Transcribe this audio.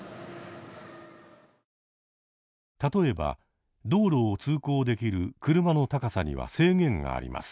例えば道路を通行できる車の高さには制限があります。